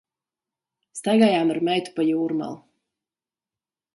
Staigājam ar meitu pa Jūrmalu.